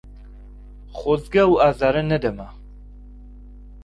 خۆزگە ئەو ئازارە نەدەما.